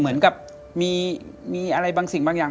เหมือนกับมีอะไรบางสิ่งบางอย่าง